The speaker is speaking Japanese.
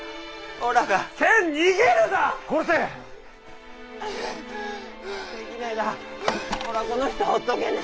おらこの人放っとげねえ。